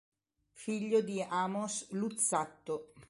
Figlio di Amos Luzzatto.